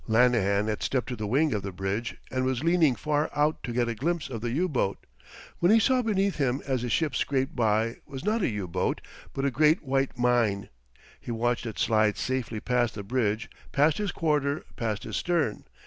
Lanahan had stepped to the wing of the bridge and was leaning far out to get a glimpse of the U boat. What he saw beneath him as his ship scraped by was not a U boat, but a great white mine. He watched it slide safely past the bridge, past his quarter, past his stern.